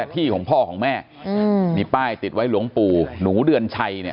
ที่ของพ่อของแม่มีป้ายติดไว้หลวงปู่หนูเดือนชัยเนี่ย